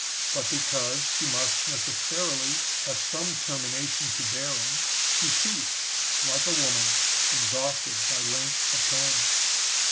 But because she must necessarily have some termination to bearing, she ceased, like a woman, exhausted by length of time.